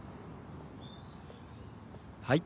はい。